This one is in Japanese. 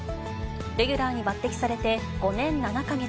レギュラーに抜てきされて５年７か月。